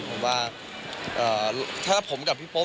เพราะว่าถ้าผมกับพี่โป๊ป